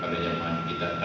pada zaman kita terakhir